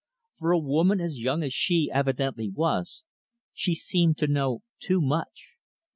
For a woman as young as she evidently was, she seemed to know too much.